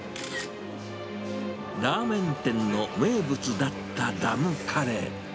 ラーメン店の名物だったダムカレー。